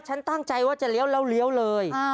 ฉันตั้งใจว่าจะเลี้ยวแล้วเลี้ยวเลย